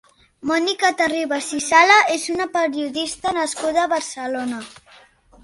Mònica Terribas i Sala és una periodista nascuda a Barcelona.